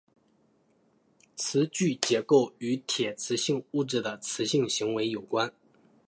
磁矩结构与铁磁性物质的磁性行为有关。